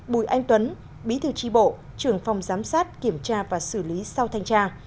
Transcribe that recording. bùi anh tuấn bí thư tri bộ trưởng phòng giám sát kiểm tra và xử lý sau thanh tra